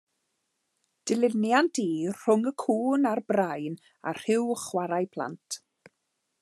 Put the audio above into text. Dilyniant i Rhwng y Cŵn a'r Brain a Rhyw Chwarae Plant.